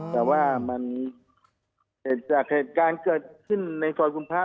แต่ว่าเหตุงานเกิดขึ้นในรถกลุ่มพระ